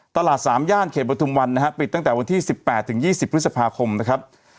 ตลาดสามย่านเขตบทุมวันนะฮะปิดตั้งแต่วันที่สิบแปดถึงยี่สิบพฤษภาคมนะครับ